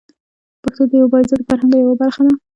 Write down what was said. پښتو د یوه با عزته فرهنګ یوه برخه ده.